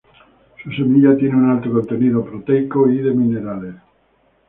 Su semilla tiene un alto contenido proteico y de minerales.